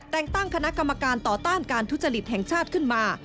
แต่งตั้งคณะกรรมการต่อต้านการทุจริตแห่งชาติขึ้นมา